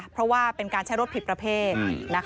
เพราะว่าเป็นการใช้รถผิดประเภท